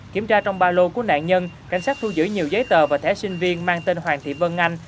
kiểm tra trong ba lô của nạn nhân cảnh sát thu giữ nhiều giấy tờ và thẻ sinh viên mang tên hoàng thị vân anh